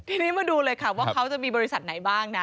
ทีนี้มาดูเลยค่ะว่าเขาจะมีบริษัทไหนบ้างนะ